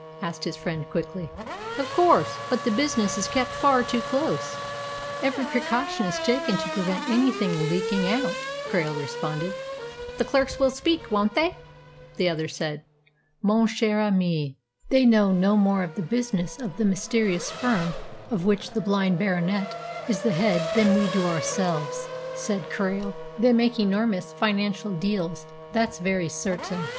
asked his friend quickly. "Of course; but the business is kept far too close. Every precaution is taken to prevent anything leaking out," Krail responded. "The clerks will speak, won't they?" the other said. "Mon cher ami, they know no more of the business of the mysterious firm of which the blind Baronet is the head than we do ourselves," said Krail. "They make enormous financial deals, that's very certain."